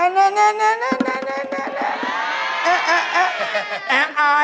ค่ะ